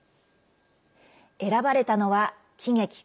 選ばれたのは、喜劇。